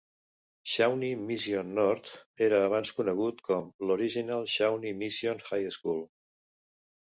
Shawnee Mission North era abans conegut com l'Original Shawnee Mission High School.